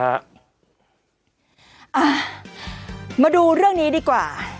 มาดูเรื่องนี้ดีกว่า